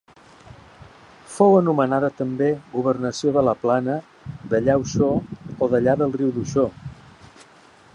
Fou anomenada també governació de la Plana, dellà Uixó o dellà del riu d’Uixó.